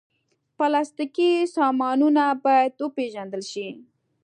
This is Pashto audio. پلاستيکي سامانونه باید وپېژندل شي.